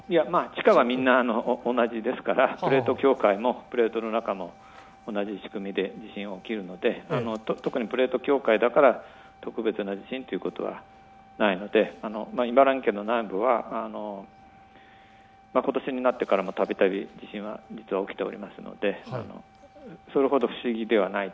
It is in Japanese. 地下はみんな同じですから、プレート境界もプレートの中も同じ仕組みで地震は起きるので特にプレート境界だから特別な地震ということはないので茨城県の南部は今年になってからも度々地震は起きておりますので、それほど不思議ではない。